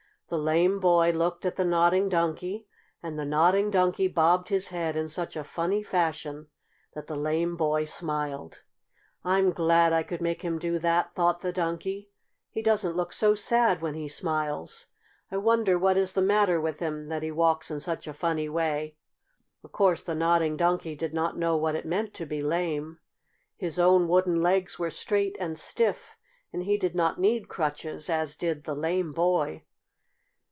The lame boy looked at the Nodding Donkey and the Nodding Donkey bobbed his head in such a funny fashion that the lame boy smiled. "I'm glad I could make him do that," thought the Donkey. "He doesn't look so sad when he smiles. I wonder what is the matter with him that he walks in such a funny way?" Of course the Nodding Donkey did not know what it meant to be lame. His own wooden legs were straight and stiff, and he did not need crutches, as did the lame boy.